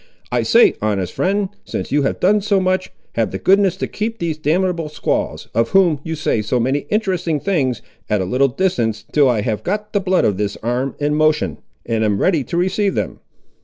I say, honest friend, since you have done so much, have the goodness to keep these damnable squaws, of whom you say so many interesting things, at a little distance, till I have got the blood of this arm in motion, and am ready to receive them."